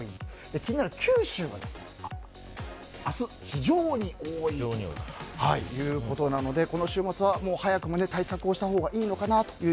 気になる九州は明日非常に多いということなのでこの週末は早くも対策をしたほうがいいのかなと。